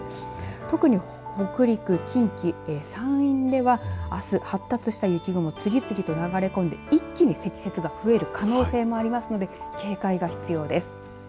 特に北陸、近畿山陰ではあす発達した雪雲次々と流れ込んで、一気に積雪が増える可能性もありますので警戒が必要です。